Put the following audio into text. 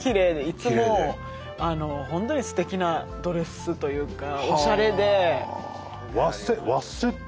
いつも本当にすてきなドレスというかおしゃれで。